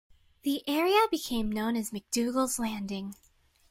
The area became known as "McDougal's Landing".